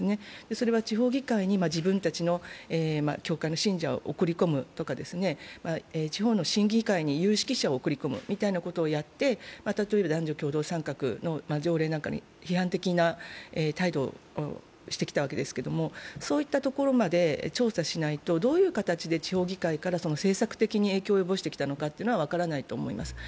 それは地方議会に自分たちの教会の信者を送り込むとか地方の審議会に有識者を送り込むということをやって、例えば男女共同参画の条例なんかに批判的な態度をしてきたわけですけれども、そういったところまで調査しないとどういう形で地方議会から政策的に影響を及ぼしてきたのかは分からないと思います。